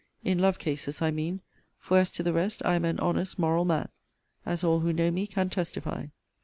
In love cases, I mean; for, as to the rest, I am an honest, moral man, as all who know me can testify.